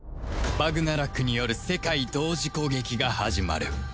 バグナラクによる世界同時攻撃が始まる